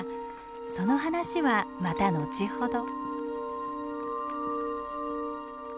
その話はまた後ほど。